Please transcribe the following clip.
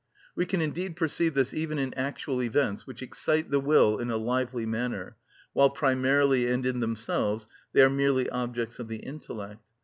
We can indeed perceive this even in actual events which excite the will in a lively manner, while primarily and in themselves they are merely objects of the intellect.